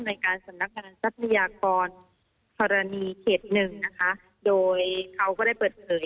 ในการสำนักงานทรัพยากรธรณีเขตหนึ่งนะคะโดยเขาก็ได้เปิดเผย